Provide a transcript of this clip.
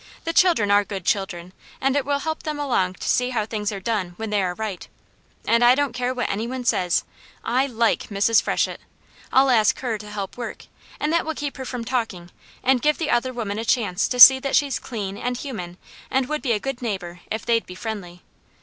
"The children are good children, and it will help them along to see how things are done when they are right; and I don't care what any one says, I LIKE Mrs. Freshett. I'll ask her to help work, and that will keep her from talking, and give the other women a chance to see that she's clean, and human, and would be a good neighbour if they'd be friendly.